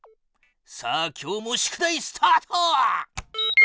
さあ今日も宿題スタート！